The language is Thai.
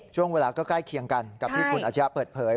ช่วงเวลาก็ใกล้เคียงกันกับที่คุณอาชญะเปิดเผย